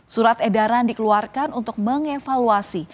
surat edaran dikeluarkan untuk mengevaluasi